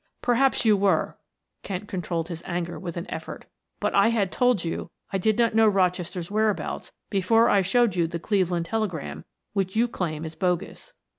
"Perhaps you were," Kent controlled his anger with an effort. "But I had told you I did not know Rochester's whereabouts before I showed you the Cleveland telegram, which you claim is bogus."